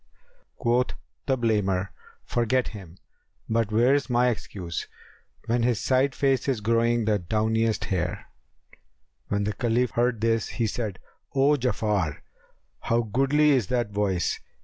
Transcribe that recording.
Quoth the blamer, 'Forget him! But where's my excuse * When his side face is growing the downiest hair?[FN#279]'" When the Caliph heard this, he said, "O Ja'afar, how goodly is that voice!"